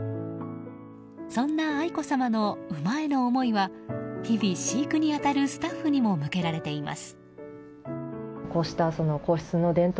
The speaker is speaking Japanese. そんな愛子さまの馬への思いは日々、飼育に当たるスタッフにも向けられています。